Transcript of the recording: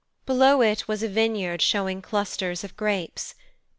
Below it was a vineyard showing clusters of grapes.